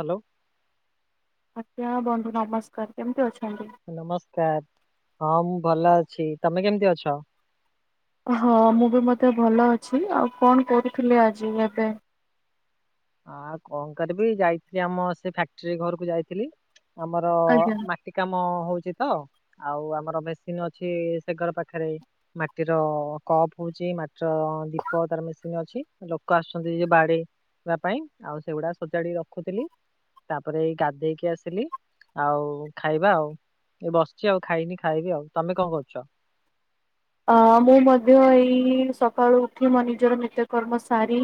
Hello. ଆଜ୍ଞା ବନ୍ଧୁ ନମସ୍କାର କେମିତି ଅଛନ୍ତି। ନମସ୍କାର ହଁ ମୁଁ ଭଲ ଅଛି, ତମେ କେମିତି ଅଛ। ହଁ ମୁଁ ବି ମଧ୍ୟ ଭଲ ଅଛି, ଆଉ କଣ କରୁଥିଲେ ଆଜି ଏବେ ଆଁ କଣ କରିବି ଯାଇଥିଲି ଆମ ସେ ଫ୍ୟାକ୍ଟ୍ରି ଘରକୁ ଯାଇଥିଲି ଆମର ଆଜ୍ଞା। ମା ଟି କାମ ହଉଛି ତ ଆଉ ଆମର ମେସିନ ଅଛି ସେ ଘର ପାଖରେ ମାଟିର କପ୍ ହଉଛି, ମାଟିର ଦୀପ ତାର ମେସିନ୍ ଅଛି ଲୋକ ଆସୁଛନ୍ତି ଯଉ ବାଡେଇ ବା ପାଇଁ ଆଉ ସେଗୁଡା ସଜାଡି ରଖୁଥିଲି ତାପରେ ଏଇ ଗାଧେଇକି ଆସିଲି ଆଉ ଖାଇବା ଆଉ ଏ ବସିଛି ଆଉ ଖାଇନି ଖାଇବି ଆଉ ତମେ କଣ କରୁଚ। ଅ ମୁଁ ମଧ୍ୟ ଏଇ ସକାଳୁ ଉଠି ମୋ ନିଜର ନିତ୍ୟକର୍ମ ସାରି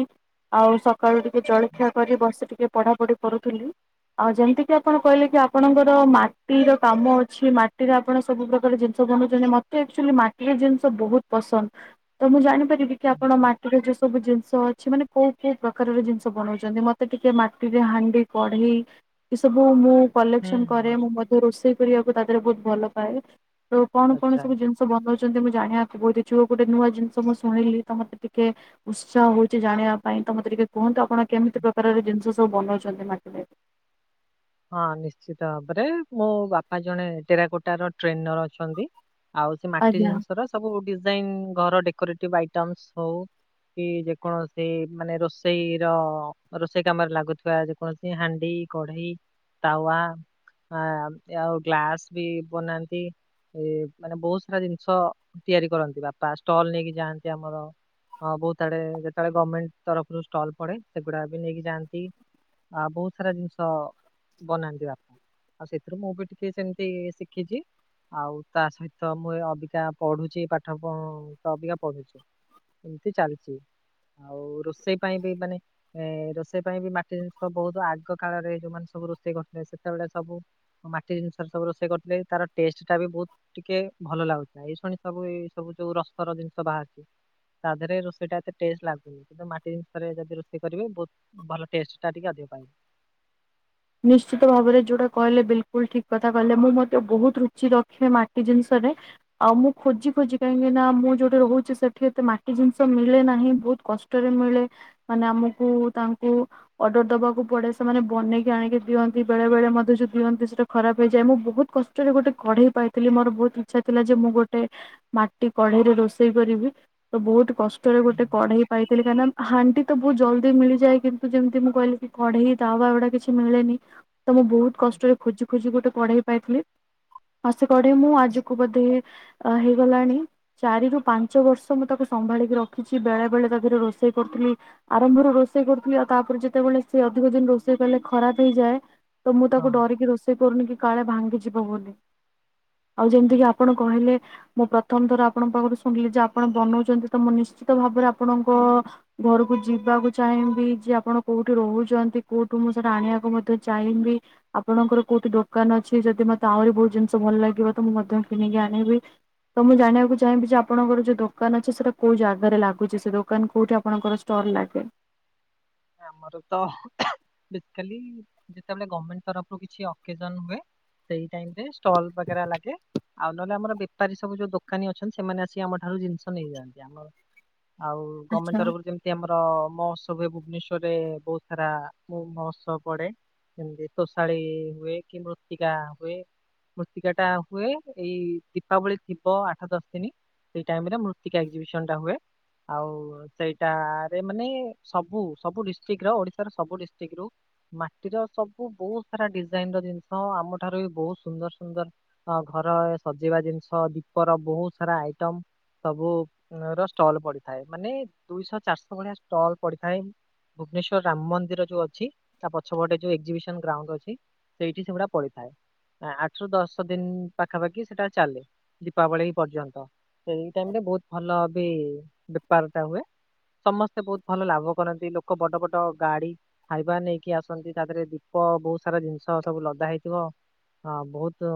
ଆଉ ସକାଳୁ ଟିକେ ଜଳଖିଆ କରି ବସି ଟିକେ ପଢାପଢି କରୁଥିଲି। ଆଉ ଯେମତି କିି ଆପଣ କହିଲେ କି ଆପଣଙ୍କର ମାଟିର କାମ ଅଛି, ମାଟିରେ ଆପଣ ସବୁ ପ୍ରକାର ଯେ ସବୁ ବନଉଚନ୍ତି ନା ମତେ ଏକଚୁଆଲି ମା ଏଇ ଜିନିଷ ବହୁତ୍ ପସନ୍ଦ ତ ମୁଁ ଜାଣିପାରିବି କି ଆପଣ ମାଟିର ଜିନ ସବୁ ଜିନିଷ ଅଛି ମାନେ କୋଉ କୋଉ ପ୍ରକାରର ଜିନିଷ ବନଉଚନ୍ତି ମତେ ଟିକେ ମାଟିରେ ହାଣ୍ଡି, କଢେଇ ଏ ସବୁ ମୁଁ ହୁଁ କଲେକ୍ସନ ହୁଁ କରେ ମୁଁ ମଧ୍ୟ ରୋଷେଇ କରିବାକୁ ତା ଦେହରେ ବହୁତ ଭଲ ପାଏ ତ କଣ କଣ ଆଚ୍ଛା ସବୁ ଜିନ ଷ ବନଉଚନ୍ତି ମୁଁ ଜାଣିବାକୁ ବହୁତ୍ ଇଛୁକ ଗୋଟେ ନୂଆ ଜିନିଷ ମୁଁ ଶୁଣିଲି ତ ମତେ ଟିକେ ଉତ୍ସାହ ହଉଛି ଜାଣିବା ପାଇଁ ତ ମତେ ଟିକେ କୁହନ୍ତୁ ଆପଣ କେମିତି ପ୍ରକାରର ଜିନିଷ ସବୁ ବନଉଚନ୍ତି ମାଟିରେ। ହଁ ନିଶ୍ଚିତ ଭାବରେ ମୋ ବାପା ଜଣେ ଟେରାକୋଟା ର ଟ୍ରେନର ଅଛନ୍ତି। ଆଉ ସେ ମାଟି ଆଜ୍ଞା। ଜିନିଷର ସବୁ ଡିଜାଇନ୍‌ ଘର ଡେକୋରେଟିପ୍ ଆଇଟମ୍ସ ହଉ କି ଯେ କୌଣସି ମାନେ ରୋଷେଇ ର ରୋଷେଇ କାମରେ ଲାଗୁଥିବା ଯେକୌଣସି ସେ ହାଣ୍ଡି, କଢେଇ, ତାୱା ଆ ଆଉ ଗ୍ଲାସ ବି ବନାନ୍ତି। ଏ ମାନେ ବହୁତ୍ ସାରା ଜିନିଷ ତିଆରି କରନ୍ତି ବାପା ଷ୍ଟଲ ନେଇକି ଯାଆନ୍ତି ଆମର ହଁ ବହୁତ୍ ଆଡେ ଯେତେବେଳେ ଗର୍ମେଣ୍ଟ ତରଫରୁ ଷ୍ଟଲ ପଡେ ସେଗୁଡା ବି ନେଇକି ଯାଆନ୍ତି ଆ ବହୁତ୍ ସାରା ଜିନିଷ ବନାନ୍ତି ବାପା ଆଉ ସେଥିରୁ ମୁଁ ବି ଟିକେ ସେମତି ଶିଖିଛି। ଆଉ ତା ସହିତ ମୁଁ ଏ ଅବିକା ପଢୁଛି ପାଠ ପ ଅବିକା ପଢୁଛି। ଏମିତି ଚାଲୁଛି ଆଉ ରୋଷେଇ ପାଇଁ ବି ମାନେ ଏ ରୋଷେଇ ପାଇଁ ବି ମାଟି ଜିନିଷ ବହୁତ୍ ଆଗ କାଳରେ ଯୋଉମାନେ ସବୁ ରୋଷେଇ କରୁଥିଲେ ସେତେବେଳେ ସବୁ ମୁଁ ମାଟି ଜିନିଷ ସବୁ ରୋଷେଇ କରିଥିଲି ତାର ଟେଷ୍ଟ ଟା ବି ବହୁତ୍ ଟିକେ ଭଲ ଲାଗୁଥାଏ ଏଇ ଶୁଣି ସବୁ ଏଇ ସବୁ ଯୋଉ ରସ ର ଜିନିଷ ବାହାରୁଛି ତା ଦେହରେ ରୋଷେଇଟା ଏତେ ଟେଷ୍ଟ ଲାଗୁନି। ଯଉ ମାଟି ଜିନିଷରେ ଯଦି ରୋଷେଇ କରିବେ ବହୁତ ଭଲ ଟେଷ୍ଟ ଟା ଟିକେ ଅଧିକ ପାଇବେ। ନିଶ୍ଚିତ ଭାବରେ ଯୋଉଟା କହିଲେ ବିଲ୍ କୁଲ୍ ଠିକ୍ କଥା କହିଲେ ମୁଁ ମଧ୍ୟ ବହୁତ୍ ରୁଚି ରଖେ ମାଟି ଜିନିଷରେ। ଆଉ ମୁଁ ଖୋଜି ଖୋଜି କାହିଁକି ନା ମୁଁ ଯୋଉଠି ରହୁଛି ସେଠି ଏତେ ମାଟି ଜିନିଷ ମିଳେ ନାହିଁ ବହୁତ କଷ୍ଟ ଷ୍ଟ ରେ ମିଳେ ମାନେ ଆମକୁ ତାଙ୍କୁ ଅଡର ଦେବାକୁ ପଡ଼େ ସେମାନେ ବନେଇକି ଆଣିକି ଦିଅନ୍ତି ବେଳେ ବେଳେ ମଧ୍ୟ ଯଉ ଦିଅନ୍ତି ସେ ଖରାପ୍ ହେଇଯାଏ ମୁଁ ବହୁତ୍ କଷ୍ଟରେ ଗୋଟେ କଢ଼େଇ ପାଇଥିଲି ମୋର ବହୁତ ଇଛା ଥିଲା ଯେ ମୁଁ ଗୋଟେ ମାଟି କଢେଇରେ ରୋଷେଇ କରିବି ତ ବହୁତ୍ କଷ୍ଟ ଷ୍ଟ ରେ ଗୋଟେ ହୁଁ। କଢ଼େଇ ପାଇଥିଲି କାହିଁ ନା ହାଣ୍ଡି ତ ବହୁତ୍ ଜଲ୍ଦି ମିଳିଯାଏ କିନ୍ତୁ ଯେମତି ମୁଁ କହିଲି କି କଢେଇ, ତାୱା ଏଗୁଡ଼ା କିଛି ମିଳେନି ତ ମୁଁ ବହୁତ୍ କଷ୍ଟରେ ଖୋଜି ଖୋଜି ଗୋଟେ କଢେଇ ପାଇଥିଲି। ହ ସେ କଢେଇ ମୁଁ ଆଜିକୁ ବୋଧେ ହେ ହେଇଗଲାଣି ଚାରି ରୁ ପାଞ୍ଚ ବର୍ଷ ମୁଁ ତାକୁ ସମ୍ଭାଳିକି ରଖିଛି ବେଳେ ବେଳେ ତା ଦେହରେ ରୋଷେଇ କରୁଥିଲି ଆରମ୍ଭରୁ ରୋଷେଇ କରୁଥିଲି ଆଉ ତାପରେ ଯେତେବେଳେ ସେ ଅଧିକ ଦିନ ରୋଷେଇ କଲେ ଖରାପ ହେଇଯାଏ ତ ମୁଁ ହଁ ତାକୁ ଡରିକି ରୋଷେଇ କରୁନି କି କାଳେ ଭାଙ୍ଗିଯିବ ବୋଲି। ଆଉ ଯେମିତିକି ଆପଣ କହିଲେ ମୁଁ ପ୍ରଥମ ଥର ଆପଣଙ୍କ ପାଖରୁ ଶୁଣିଲି ଯେ ଆପଣ ବନଉଛନ୍ତି ତ ମୁଁ ନିଶ୍ଚିତ ଭାବରେ ଆପଣଙ୍କୁ ଘରକୁ ଯିବାକୁ ଚାହିଁବି ଯେ ଆପଣ କୋଉଠି ରହୁଛନ୍ତି କୋଉଠୁ ମୁଁ [unintelligible] ଆଣିବାକୁ ମଧ୍ୟ ଚାହିଁବି। ଆପଣଙ୍କର କୋଉଠି ଦୋକାନ ଅଛି ଯଦି ମତେ ଆହୁରି ବହୁତ୍ ଜିନିଷ ଭଲ ଲାଗିବ ତ ମୁଁ ମଧ୍ୟ କିଣିକି ଆଣିବି। ତ ମୁଁ ଜାଣିବାକୁ ଚାହିଁବି ଯେ ଆପଣଙ୍କର ଯୋଉ ଦୋକାନ ଅଛି ସେଟା କୋଉ ଜାଗାରେ ଲାଗୁଛି ସେ ଦୋକାନ କୋଉଠି ଆପଣଙ୍କର ଷ୍ଟଲ୍ ଲାଗେ। ଆମର ତ ବେସିକାଲି ଯେତେବେଳେ ଗମେଣ୍ଟ ତରଫରୁ କିଛି ଅକେଜନ ହୁଏ। ସେଇ ଟାଇମ୍ ରେ ଷ୍ଟଲ୍ ବଗେରା ଲାଗେ‌‌। ଆଉ ନହେଲେ ଆମର ବେପାରୀ ସବୁ ଯୋଉ ଦୋକାନୀ ଅଛନ୍ତି ସେମାନେ ଆସିି ଆମ ଠାରୁ ଜିନିଷ ନେଇଯାଆନ୍ତି ଆମର ଆଉ ଗମେଣ୍ଟ ଆଚ୍ଛା। ତରଫରୁ ଯେମିତି ଆମର ମହୋତ୍ସବ ହୁଏ ବୁବୁ ଭୁବନେଶ୍ବରରେ ବହୁତ୍ ସାରା ମୋ ମହୋତ୍ସବ ପଡେ। ଏମିତି ତୋଷାଳିୀ ହୁଏ କି ମୃତ୍ତିକା ହୁଏ। ମୃତ୍ତିକା ଟା ହୁଏ ଏଇ ଦୀପାବଳି ଥିବ ଆଠ ଦଶ ଦିନି ସେଇ ଟାଇମ୍ ରେ ମୃତ୍ତିକା ଏକ୍ଜିିବିସନ ଟା ହୁଏ। ଆଉ ସେଇଟାରେ ମାନେ ସବୁ ସବୁ ଡିଷ୍ଟିକ୍ ର ଓଡିଶାର ସବୁ ଡିଷ୍ଟିକ୍ ରୁ ମାଟିର ସବୁ ବହୁତ୍ ସାରା ଡିଜାଇନ୍ ର ଜିନିଷ ଆମଠାରୁ ବି ବହୁତ୍ ସୁନ୍ଦର ସୁନ୍ଦର ହ ଘର ସଜେଇବା ଜିନିଷ ଦୀପର ବହୁତ୍ ସାରା ଆଇଟମ ସବୁ ର ଷ୍ଟଲ୍ ପଡିଥାଏ ମାନେ ଦୁଇଶହ ଚାରିଶହ ଭଳିଆ ଷ୍ଟଲ୍ ପଡିଥାଏ। ଭୁବନେଶ୍ଵର ରାମ ମନ୍ଦିର ଯୋଉ ଅଛି ତା ପଛପଟେ ଯୋଉ ଏକ୍ଜିବିସନ ଗ୍ରାଉଣ୍ଡ ଅଛି ସେଇଠି ସେଗୁଡା ପଡିଥାଏ। ଆଠ ରୁ ଦଶ ଦିନ ପାଖାପାଖି ସେଟା ଚାଲେ ଦୀପାବଳି ପର୍ଯ୍ୟନ୍ତ। ସେଇ ଟାଇମ୍ ରେ ବହୁତ୍ ଭଲ ବି ବେପାର ଟା ହୁଏ। ସମସ୍ତେ ବହୁତ୍ ଭଲ ଲାଭ କରନ୍ତି ଲୋକ ବଡ ବଡ ଗାଡି ଖାଇବା ନେଇକି ଆସନ୍ତି ତା ଦେହରେ ଦୀପ ବହୁତ୍ ସାରା ଜିନିଷ ସବୁ ଲଦା ହେଇଥିବ। ହଁ ବହୁତୁ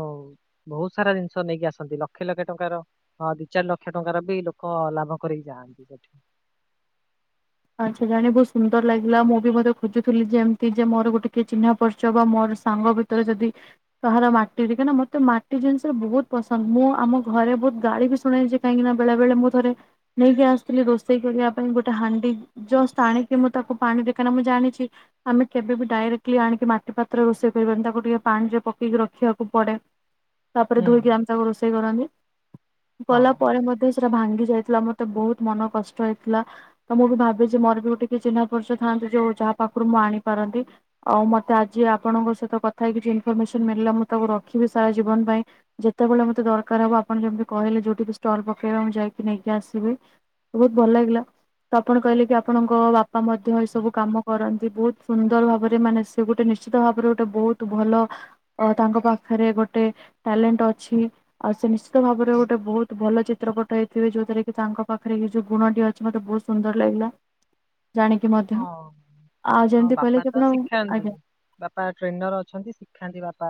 ବହୁତ୍ ସାରା ଜିନିଷ ନେଇକି ଆସନ୍ତି ଲକ୍ଷେ ଲକ୍ଷେ ଟଙ୍କାର ହଁ ଦି ଚାରି ଲକ୍ଷ ଟଙ୍କାର ବି ଲୋକ ଲାଭ କରିକି ଯାଆନ୍ତି ସେଠି। ଆଚ୍ଛା ଜାଣି ବହୁତ୍ ସୁନ୍ଦର ଲାଗିଲା ମୁଁ ବି ମଧ୍ୟ ଖୋଜୁଥିଲି ଯେ ଏମିତି ଯେ ମୋର ଗୋଟେ କିଏ ଚିହ୍ନା ପରିଚୟ ବା ମୋର ସାଙ୍ଗ ବି ତରେ ଯଦି କହାର ମାଟିରେ କାହିଁକନା ମୋତେ ମାଟିରେ ଜିନିଷ ବହୁତ୍ ପସନ୍ଦ ମୁଁ ଆମ ଘରେ ବହୁତ୍ ଗାଳି ବି ଶୁଣେ ଯେ କାହିଁକି ନା ବେଳେ ବେଳେ ମୁଁ ଥରେ ନେଇକି ଆସିଥିଲି ରୋଷେଇ କରିବା ପାଇଁ ଗୋଟେ ହାଣ୍ଡି ଯଷ୍ଟ ଆଣି କି ମୁଁ ତାକୁ ପାଣି ରେ କାହିଁକି ନା ମୁଁ ଜାଣିଛି ଆମେ କେବେ ବି ଡାଇରେକ୍ଟଲି ଆଣିକି ମାଟି ପାତ୍ରରେ ରୋଷେଇ କରିବାନି ତାକୁ ଟିକେ ପାଣିରେ ପକେଇକି ରଖିବାକୁ ପଡେ। ତାପରେ ହୁଁ। ଧୋଇକି ଆମେ ତାକୁ ରୋଷେଇ କରନ୍ତି ହଁ। କଲା ପରେ ମଧ୍ୟ ସେ ସେଇଟା ଭାଙ୍ଗି ଯାଇଥିଲା ମତେ ବହୁତ୍ ମନ କଷ୍ଟ ହେଇଥିଲା ତ ମୁଁ ବି ଭାବ ଯେ ମୋର ବି ଗୋଟେ କିଏ ଚିହ୍ନା ପରିଚୟ ଥାନ୍ତେ ଯୋଉ ଯାହା ପାଖରୁ ମୁଁ ଆଣିପାରନ୍ତି। ଆଉ ମତେ ଆଜି ଆପଣଙ୍କ ସହିତ କଥା ହେଇ କିଛି ଇନ୍ ଫର ସେସନ୍ ମିଳିଲା ମୁଁ ତାକୁ ରଖିବି ସାରା ଜୀବନ ପାଇଁ। ଯେତେବେଳେ ମତେ ଦରକାର୍ ହବ ଆପଣ ଯେମିତି କହିଲେ ଯୋଉଠିକି ଷ୍ଟଲ୍ ପକେଇବା ମୁଁ ଯାଇକି ନେଇକି ଆସିବି। ବହୁତ୍ ଭଲ ଲାଗିଲା ତ ଆପଣ କହିଲେ କି ଆପଣଙ୍କ ବାପା ମଧ୍ୟ ଏ ସବୁ କାମ କରନ୍ତି ବହୁତ୍ ସୁନ୍ଦର ଭାବରେ ମାନେ ସେ ଗୋଟେ ନିଶ୍ଚିତ ଭାବରେ ଗୋଟେ ବହୁତ୍ ଭଲ। ଅ ତାଙ୍କ ପାଖରେ ଗୋଟେ ଟ୍ୟାଲେଣ୍ଟ ଅଛି। ଆଉ ସେ ନିଶ୍ଚିତ ଭାବରେ ଗୋଟେ ବହୁତ୍ ଭଲ ଚିତ୍ରପଟ ହେଇଥିବ ଯୋଉ ଥିରେକି ତାଙ୍କ ପାଖରେ ଏ ଯୋଉ ଗୁଣ ଟି ଅ ଅଛି ମତେ ବହୁତ୍ ସୁନ୍ଦର ଲାଗିଲା। ଜାଣିକି ମ ହଁ ହଁ ବାପା ତ ଶିଖାନ୍ତି। ଆଜ୍ଞା। ବାପା ଟ୍ରେନର ଅଛନ୍ତି ଶିଖାନ୍ତି ବାପା।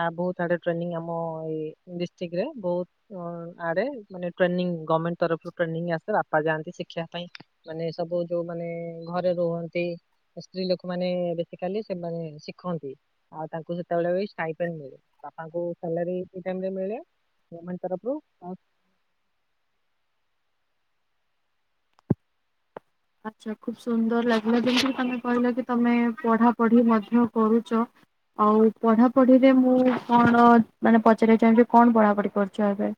ଆଁ ବହୁତ୍ ଆଡେ ଟ୍ରେନିଙ୍ଗ ଆମ ଏଇ ଡିଷ୍ଟିକ୍ ରେ ବହୁତ୍ ଅଁ ଆଡେ ମାନେ ଟ୍ରେନିଂ ଗମେଣ୍ଟ ତରଫରୁ ଟ୍ରେନିଂ ଆସେ ବାପା ଯାଆନ୍ତି ଶିକ୍ଷିବା ପାଇଁ। ମାନେ ସବୁ ଏ ଯୋଉ ମାନେ ଘରେ ରୁହନ୍ତି ଓ ସ୍ତ୍ରୀ ଲୋକମାନେ ବେଶିକାଲି ସେମାନେ ଶିଖନ୍ତି। ଆଉ ତାଙ୍କୁ ସେତେବେଳେ ବି ଷ୍ଟାଇପେନ୍ ମିଳେ, ବାପାଙ୍କୁ ସାଲାରି ସେଇ ଟାଇମ୍ ରେ ମିଳେ। ଗମେଣ୍ଟ ତରଫରୁ ଆଉ ଆଚ୍ଛା, ଖୁବ୍ ସୁନ୍ଦର ଲାଗିଲା ଯେମିତିକି ତୋମେ କହିଲ କି ତୋମେ ପଢା ପଢି ମଧ୍ୟ କରୁଚ। ଆଉ ପଢାପଢିରେ ମୁଁ କଣ ମାନେ ପଚାରିବାକୁ ଚାହିଁବି, କଣ ପଢାପଢି କରୁଛ ଏବେ?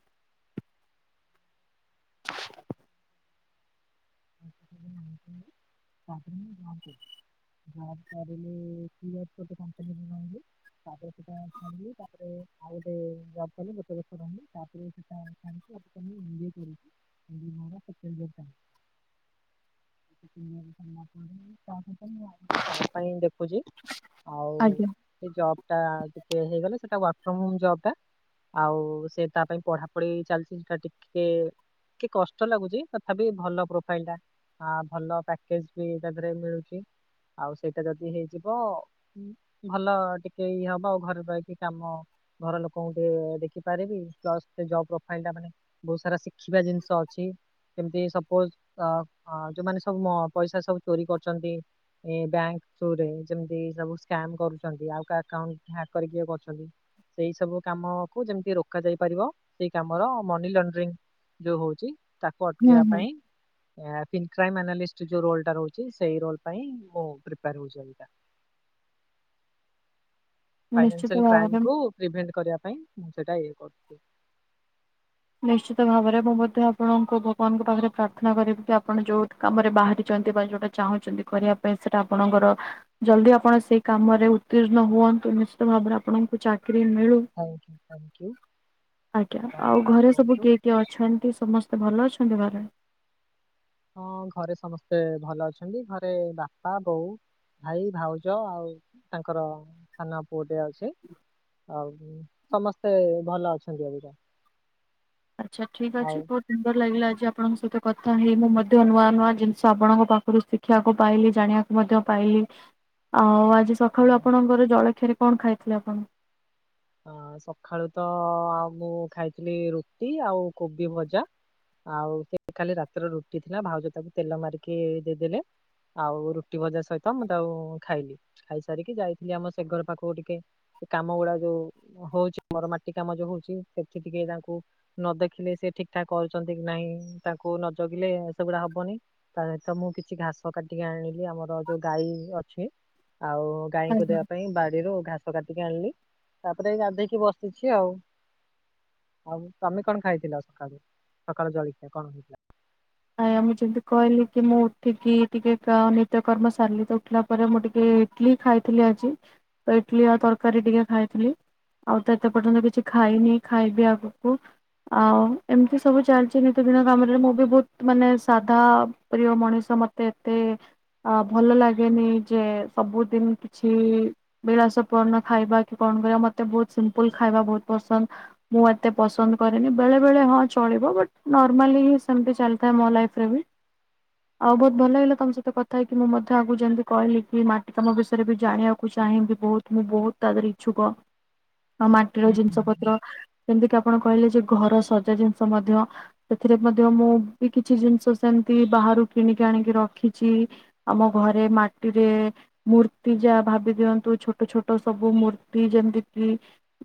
[inaudible] ଜବ୍ କରିଲି କି ଜବ୍ କରୁଛ କମ୍ପାନୀ [inaudible] ତାପରେ ସେଟା ଛାଡିଲି, ତାପରେ ଆଉ ଗୋଟେ ଜବ୍ କଲି, ଗୋଟେ ବର୍ଷ ରହିଲି ତାପରେ ସେଟା ଛାଡିଛି। ଅ ତ ମୁଁ ଏମ୍ ବିଏ କରୁଛି। ଏମ୍ ବିଏ ମୋର ସେକେଣ୍ଡ ଇୟର୍ ଚାଲ ସେକେଣ୍ଡ ଇୟର୍ ସରିଲା ପରେ, ତାପରେ ତ ମୁଁ [inaudible] ଜବ୍ ପାଇଁ ଦେଖୁଛି। ଆଉ ଆଜ୍ଞା ସେ ଜବ୍ ଟା ଟିକେ ହେଇଗଲେ ସେଟା ୱାର୍କ ଫର୍ମ ହୋମ୍ ଜବ୍ ଟା। ଆଉ ସେ ତା ପାଇଁ ପଢାପଢି ଚାଲିଛି ସେଟା ଟିକେ କି କଷ୍ଟ ଲାଗୁଚି, ତଥାପି ଭଲ ପ୍ରୋଫାଇଲ୍ ଟା। ହଁ ଭଲ ପ୍ୟାକେଜ୍ ବି ତା ଦେହରେ ମିଳୁଚି। ଆଉ ସେଇଟା ଯଦି ହେଇଯିବ ଭଲ ଟିକେ ଇଏ ହବ ଆଉ ଘରେ ରହିକି କାମ। ଘର ଲୋକଙ୍କୁ ଟିକେ ଦେଖିପାରିବି। ପ୍ଲସ୍ ସେ ଜବ୍ ପ୍ରୋଫାଇଲ୍ ଟା ମାନେ ବହୁତ ସାରା ଶିଖିବା ଜିନିଷ ଅଛି। ଯେମତି ସପୋଜ୍ ଅ, ଅ, ଯୋଉମାନେ ସବୁ ମ- ପଇସା ସବୁ ଚୋରି କରଛନ୍ତି। ଏ ବ୍ୟାଙ୍କ୍ ଥ୍ରୋରେ ଯେମିତି ସବୁ ସ୍କାମ୍ କରୁଛନ୍ତି ଆଉ କା ଏକାଉଣ୍ଟ ହ୍ୟାକ୍ କରିକି ଇଏ କରୁଛନ୍ତି। ସେଇ ସବୁ କାମକୁ ଯେମିତି ରୋକା ଯାଇ ପାରିବ ସେଇ କାମର ମନି ଲଣ୍ଡ୍ରିଙ୍ଗ ଯୋଉ ହଉଚି ତାକୁ ହୁଁ ଅଟକେଇବା ହୁଁ ପାଇଁ ଏ ଫିନ୍ ଫ୍ରାଇମ୍ ଆନାଲିଷ୍ଟ ଯୋଉ ରୋଲ୍ ଟା ରହୁଛି ସେଇ ରୋଲ୍ ପାଇଁ ମୁଁ ପ୍ରିପେଆର୍ ହଉଛି ଅବିକା। ନିଶ୍ଚିତ ଫାଇନସିଆଲ୍ ଭାବରେ କ୍ରାଇମକୁ ପ୍ରିଭେଣ୍ଟ କରିବା ପାଇଁ ମୁଁ ସେଇଟା ଇଏ କରୁଚି। ନିଶ୍ଚିତ ଭାବରେ ମୁଁ ମଧ୍ୟ ଆପଣଙ୍କୁ ଭଗବାନଙ୍କ ପାଖରେ ପ୍ରାର୍ଥନା କରିବି କି ଆପଣ ଯୋଉ କାମରେ ବାହାରିଚନ୍ତି ବା ଯୋଉଟା ଚାହୁଁଛନ୍ତି କରିବା ପାଇଁ ସେଟା ଆପଣଙ୍କର ଜଲଦି ଆପଣ ସେଇ କାମରେ ଉତ୍ତୀର୍ଣ୍ଣ ହୁଅନ୍ତୁ। ନିଶ୍ଚିତ ଭାବରେ ଆପଣଙ୍କୁ ଚାକିରି ମିଳୁ। ଥ୍ୟାଙ୍କୟୁ ଥ୍ୟାଙ୍କୟୁ ଆଜ୍ଞା ଆଉ ଧନ୍ୟବାଦ ଘରେ ବହୁତ ସବୁ ବହୁତ। କିଏ କିଏ ଅଛନ୍ତି ସମସ୍ତେ ଭଲ ଅଛନ୍ତି ଘରେ? ହଁ ଘରେ ସମସ୍ତେ ଭଲ ଅଛନ୍ତି। ଘରେ ବାପା ବୋଉ ଭାଇ ଭାଉଜ ଆଉ ତାଙ୍କର ସାନ ପୁଅଟେ ଅ ଛି ଆଉ ସମସ୍ତେ ଭଲ ଅଛନ୍ତି ଏବିକା। ଆଚ୍ଛା ଠିକ୍ ଅଛି। [inaudible] ସୁନ୍ଦର ଲାଗିଲା ଆଜି ଆପଣଙ୍କ ସହିତ କଥା ହେଇ, ମୁଁ ମଧ୍ୟ ନୂଆ ନୂଆ ଜିନିଷ ଆପଣଙ୍କ ପାଖରୁ ଶି ଖିଆକୁ ପାଇଲି, ଜାଣିଆକୁ ମଧ୍ୟ ପାଇଲି, ଆଉ ଆ ଜି ସଖାଳୁ ଆପଣଙ୍କର ଜଳଖିଆରେ କଣ ଖାଇଥିଲେ ଆପଣ? ହଁ ସଖାଳୁ ତ ଆଉ ମୁଁ ଖାଇଥିଲି ରୁଟି ଆଉ କୋବି ଭଜା। ଆଉ ସେ କାଲି ରାତିର ରୁଟି ଥିଲା ଭାଉଜ ତାକୁ ତେଲ ମାରିକି ଦେଇଦେଲେ। ଆଉ ରୁଟି ଭଜା ସହିତ ମୁଁ ତାକୁ ଖାଇଲି। ଖାଇ ସାରିକି ଯାଇଥିଲି ଆମ ସେ ଘର ପାଖକୁ ଟିକେ ସେ କାମ ଗୁଡା ଯୋଉ ହଉଛି, ମୋର ମାଟି କାମ ଯୋଉ ହଉଛି। ସେଠି ଟିକେ ତାଙ୍କୁ ନ ଦେଖିଲେ ସେ ଠିକଠାକ କରୁଚନ୍ତି କି ନାହିଁ। ତାଙ୍କୁ ନ ଜଗିଲେ ସେଗୁଡା ହବନି। ତା ସହିତ ମୁଁ କିଛି ଘାସ କାଟିକି ଆଣିଲି, ଆମର ଯୋଉ ଗାଈ ଅଛି, ଆଉ ଗାଈଙ୍କୁ ଆଜ୍ଞା। ଦେବା ପାଇଁ ବାଡିରୁ ଘାସ କାଟିକି ଆଣିଲି। ତାପରେ ଏ ଗାଧେଇକି ବସିଛି ଆଉ। ଆଉ ତୋମେ କଣ ଖାଇଥିଲ ସକାଳୁ? ସକାଳୁ ଜଳିଖିଆ କଣ ହେଇଥିଲା? ଆଜ୍ଞା ମୁଁ ଯେମିତି କହିଲି କି ମୁଁ ଉଠିକି ଟିକେ କ- ନିତ୍ୟକର୍ମ ସାରିଲି। ତ ଉଠିଲା ପରେ ମୁଁ ଟିକେ ଇଟଲି ଖାଇଥିଲି ଆଜି, ତ ଇଟଲି ଆଉ ତରକାରୀ ଟିକେ ଖାଇଥିଲି। ଆଉ ତ ଏତେ ପର୍ଯ୍ୟନ୍ତ କିଛି ଖାଇନି, ଖାଇବି ଆଗକୁ। ଆଉ ଏମିତି ସବୁ ଚାଲିଛି ନିତି ଦିନ କାମରେ ମୁଁ ବି ବହୁତ ତ ମାନେ ସାଧା ପ୍ରିୟ ମଣିଷ ମୋତେ ଏତେ ଅ, ଭଲ ଲାଗେନି ଯେ ସବୁଦିନ କିଛି ବିଳାସ ପଣ ଖାଇବା କି କଣ କରିବା ମତେ ବୋହୁତ୍ ସିମ୍ପୁଲ୍ ଖାଇବା ବୋହୁତ୍ ପସନ୍ଦ୍। ମୁଁ ଏତେ ପସନ୍ଦ କରେନି ବେଳେ ବେଳେ ହଁ ଚଳିବ ବଟ୍ ନର୍ମାଲି ସେମ୍ତି ଚାଲ୍ ଥାଏ ମୋ ଲାଇଫ ରେ ବି। ଆଉ ବୋହୁତ୍ ଭଲ ଲାଗିଲା ତମ ସହିତ କଥା ହେଇକି ମୁ ମଧ୍ୟ ଆଗକୁ ଯେମିତି କହିଲି କି ମାଟି ତମ ବିଷୟରେ ବି ଜାଣିବାଉ କୁ ଚାହିଁବି ବୋହୁତ୍ ମୁଁ ବୋହୁତ୍ ତା ଦେହରେ ଇଛୁକ ଆ ମାଟିର ଜିନିଷ ପତ୍ର ଯେମିତି କିି ଆପଣ କହିଲେ ଯେ ଘର ସଜା ଜିନିଷ ମଧ୍ୟ ସେଥିରେ ମଧ୍ୟ ମୁଁ ବି କିଛି ଜିନ୍ଷ ସେମ୍ତି ବାହାରୁ କିଣିକି ଆଣିକି ରଖିଛି। ଆମ ଘରେ ମାଟିରେ ମୂର୍ତ୍ତି ଯାହା ଭାବି ଦିଅନ୍ତୁ ଛୋଟ ଛୋଟ ସବୁ ମୂର୍ତ୍ତି ଯେମିତି କିି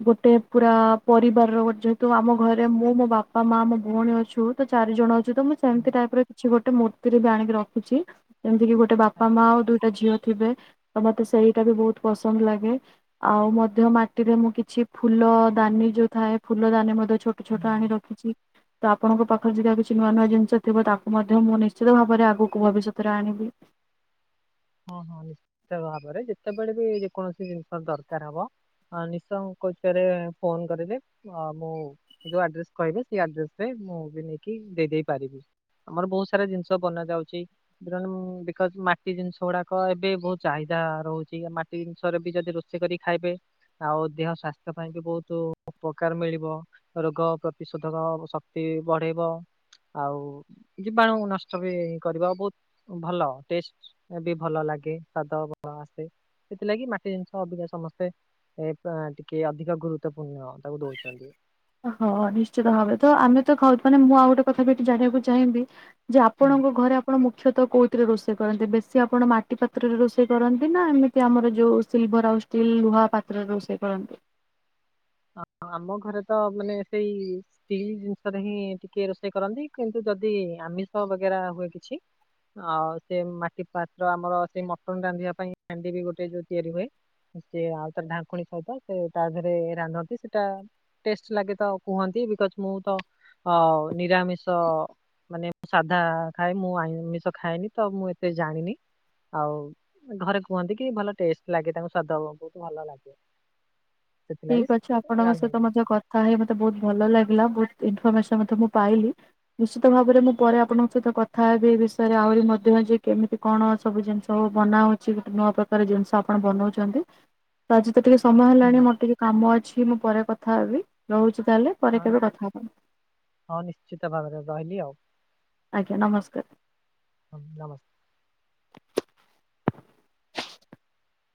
ଗୋଟେ ପୁରା ପରିବାରର ଯେହେତୁ ଆମ ଘରେ ମୁଁ ମୋ ବାପା ମା ମୋ ଭଉଣୀ ଅଛୁ ତ ଚାରିଜଣ ଚୁ ତ ମୁଁ ସେମିତି ଟାଇପ ର କିଛି ଗୋଟେ ମୂର୍ତ୍ତିରେ ବି ଆଣିକି ରଖୁଛି ଯେମିତି ଗୋ ଟେ ବାପା ମା ଆଉ ଦୁଇଟା ଝିଅ ଥିବେ ତ ମତେ ସେଇଟା ବି ବୋହୁତ୍ ପସନ୍ଦ୍ ଲାଗେ। ଆଉ ମଧ୍ୟ ମାଟିରେ ମୁଁ କିଛି ଫୁଲ ଦାନି ଯୋଉ ଥାଏ ଫୁଲ ଦାନୀ ମଧ୍ୟ ଛୋ ଛୋଟ ଛୋଟ ଆଣି ରଖିଛି ତ ଆପଣଙ୍କ ପାଖରେ ଯଦି ଆଉ କି କିଛି ନୂଆ ନୂଆ ଜିନିଷ ଥିବ ତାକୁ ମଧ୍ୟ ମୁଁ ନିଶ୍ଚିତ ଭାବରେ ଆଗକୁ ଭବିଷ୍ୟତରେ ଆଣିବି। ହଁ ହଁ ନିଶ୍ଚିତ ଭାବରେ ଯେତେବେଳେ ବି ଯେକୌଣସି ଜିନ୍ଷ ଦରକାର ହବ ହଁ ନିଶଙ୍କୋଚ ରେ ଫୋନ୍ କରିବି ଆ ମୁଁ ଯୋଉ ଆଡ୍ରେସ କହିବେ ସେଇ ଆଡ୍ରେସରେ ମୁଁ ବି ନେଇକି ଦେଇ ଦେଇ ପାରିବି। ଆମର ବୋହୁତ୍ ସାରା ଜିନ୍ଷ ବନା ଯାଉଛି ତେଣୁ ବିକଜ୍ ମାଟି ଜିନ୍ଷ ସେଉଡାକ ଏବେ ବୋହୁତ୍ ଚାହିଦା ରହୁଛି ମାଟି ଜିନ୍ଷରେ ବି ଯୋଦି ରୋଷେଇ କରି ଖାଇବେ ଆଉ ଦେହ ସ୍ଵାସ୍ଥ୍ୟ ପାଇଁ କି ବୋହୁତୁ ଉପକାର ମିଳିବ। ରୋଗ ପ୍ରତିଶୋଧକ ଶକ୍ତି ବଢେଇବ। ଆଉ ଜୀବାଣୁ ନଷ୍ଟ ବି କରିବା ଆଉ ବୋହୁତ୍ ଭଲ ଟେଷ୍ଟ୍। ବି ଭଲ ଲାଗେ ସ୍ଵାଦ ଭଲ ଆସେ ସେଥିଲାଗି ମାଟି ଜିନିଷ ଅବିକା ସମସ୍ତେ ଏଇ ପା ଟିକେ ଅଧିକ ଗୁରୁତ୍ୱପୂର୍ଣ୍ଣ ତାକୁ ଦୋଉଚନ୍ତି। ହଁ ନିଶ୍ଚିତ ଭାବେ ତ ଆମେ ତ ଖାଉଚୁ ମୁଁ ଆଉ ଗୋଟେ କଥା ବି ଏଠି ଜାଣିବାକୁ ଚାହିଁବି। ଯେ ହୁଁ। ଆପଣଙ୍କ ଘରେ ଆ ଆପଣ ମୁଖ୍ୟତଃ କଉଥିରେ ରୋଷେଇ କରନ୍ତି, ବେଶୀ ଆପଣ ମାଟି ପାତ୍ରରେ ରୋଷେଇ କରନ୍ତି ନା ଏମିତି ଆମର ଯଉ ସିଲଭର ଆଉ ଟିଲ୍ ଲୁହା ପାତ୍ରରେ ରୋଷେଇ କରନ୍ତି। ହ ଆମ ଘରେ ତ ମାନେ ସେଇ ସ୍ଟିଲ୍ ଜିନ୍ଷରେ ହିଁ ଟିକେ ରୋଷେଇ କରନ୍ତି କିନ୍ତୁ ଯଦି ଆମିଷ ବଗେରା ହୁଏ କିଛି ଆଉ ସେ ମାଟି ପାତ୍ର ଆମର ସେ ମଟନ୍ ରାନ୍ଧିବା ପାଇଁ ହାଣ୍ଡି ବି ଗୋଟେ ଯୋଉ ତିଆରି ହୁଏ। ସିଏ ଆଉ ତାର ଢାଙ୍କୁଣୀ ସହିତ ସେ ତା ଦେହରେ ରାନ୍ଧନ୍ତି ସେ ଟା ଟେଷ୍ଟ୍ ଲାଗେ ତ କୁହନ୍ତି ବିକଜ ମୁଁ ତ ଅ ନିରାମିଷ। ମାନେ ମୁଁ ସାଧା ଖାଏ ମୁଁ ଆମିଷ ଖାଏନି ତ ମୁଁ ଏତେ ଜାଣିନି। ଆଉ ଘରେ କୁହନ୍ତି କି ଭଲ ଟେଷ୍ଟ ଲାଗେ ତାଙ୍କୁ ସ୍ଵାଦ ବହୁତ ଭଲ ଲାଗେ। ସେଥିଲାଗି ଠିକ ଅଛି ଆପଣଙ୍କ ସହିତ ରାନ୍ଧନ୍ତି। ମଧ୍ୟ କ କଥା ହେଇ ମତେ ବୋହୁତ୍ ଭଲ ଲାଗିଲା ବୋହୁତ୍ ଇନଫରମେସନ ମୁଁ ପାଇଲି। ନିଶ୍ଚିତ ଭାବରେ ମୁଁ ପରେ ଆପଣଙ୍କ ସହିତ କଥା ହେବି ଏ ବିଷୟରେ ଆହୁରି ମଧ୍ୟ ଯେ କେମିତି କଣ ସବୁ ଜିନିଷ ବନା ହଉଛି ଗୋଟେ ନୂଆ ପ୍ରକାର ଜିନିଷ ଆପଣ ବନୋଉଛନ୍ତି। ତ ଆଜି ତ ଟିକେ ସମୟ ହୁଁ ହେଲାଣି ମୋର ଟିକେ କାମ ଅଛି ମୁଁ ପରେ କଥା ହେବି ରହୁଚି ତାହେଲେ। ପରେ ହଁ କେବେ କଥା ହବା। ହଁ ନିଶ୍ଚିତ ଭାବରେ ରହିଲି ଆଉ। ଆଜ୍ଞା ନମସ୍କାର୍। ହଁ ନମସ୍